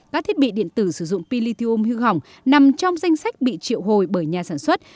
các thiết bị điện tử sử dụng pin lithium hư hỏng nằm trong danh sách bị triệu hồi bởi nhà sản xuất